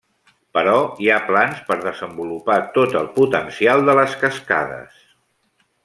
Però hi ha plans per desenvolupar tot el potencial de les cascades.